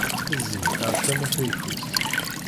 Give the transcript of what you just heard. Zzi ar tama tayeffust!